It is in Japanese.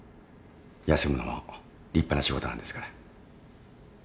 休むのも立派な仕事なんですから。